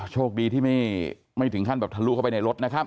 โชคดีที่ไม่ถึงขั้นแบบทะลุเข้าไปในรถนะครับ